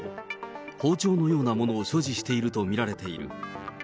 包丁のようなものを所持していると見られている。